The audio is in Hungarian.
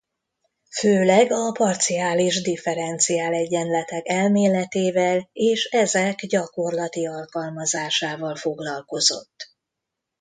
Főleg a parciális differenciálegyenletek elméletével és ezek gyakorlati alkalmazásával foglalkozott.